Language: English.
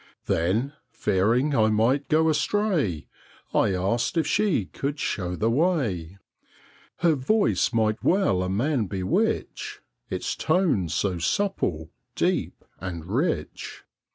Then, fearing I might go astray, I asked if she could show the way. Her voice might well a man bewitch Its tones so supple, deep, and rich.